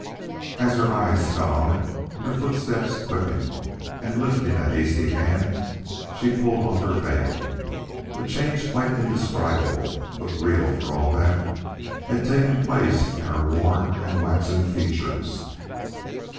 As her eyes fell on it, her footsteps quickened, and lifting a hasty hand, she pulled off her veil. A change quite indescribable, but real for all that, had taken place in her worn and waxen features.